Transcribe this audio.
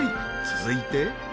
続いて。